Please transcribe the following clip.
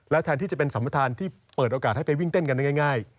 แทนที่จะเป็นสัมประธานที่เปิดโอกาสให้ไปวิ่งเต้นกันได้ง่าย